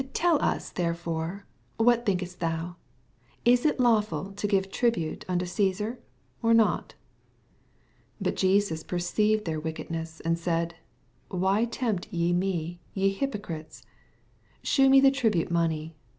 17 Tell as tberefore, What thinkeet thoa t Is it lawful to give tribate anto deaar. or not t IS But JenuB per^ived their wick edness, and said, Why tempt ye me, y« bypocritee f 19 Shew me the tribate money.